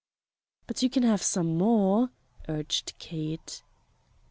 "But you can have some more," urged Kate.